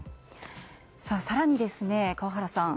更に、川原さん